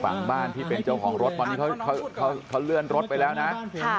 ฝั่งบ้านที่เป็นเจ้าของรถตอนนี้เขาเลื่อนรถไปแล้วนะ